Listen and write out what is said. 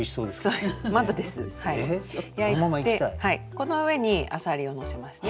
この上にあさりをのせますね。